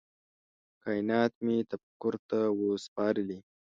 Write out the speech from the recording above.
کائینات مي تفکر ته وه سپارلي